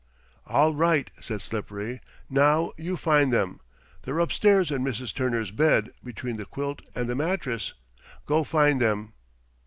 "All right," said Slippery, "now, you find them. They're upstairs in Mrs. Turner's bed, between the quilt and the mattress. Go find them."